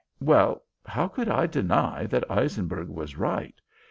Well, how could I deny that Eisenberg was right?